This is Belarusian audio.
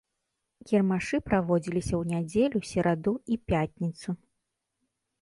Кірмашы праводзіліся ў нядзелю, сераду і пятніцу.